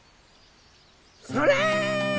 それ！